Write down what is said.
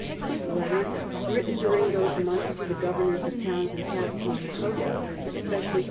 His letters, written during those months to the governors of towns and castles on the coast, especially to M.